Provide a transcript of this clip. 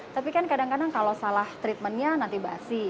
tapi kan kadang kadang kalau salah treatmentnya nanti basi